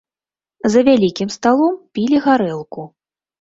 За вялікім сталом пілі гарэлку.